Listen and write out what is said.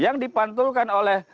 yang dipantulkan oleh petugas